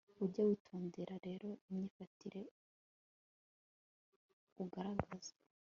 ujye witondera rero imyifatire ugaragaza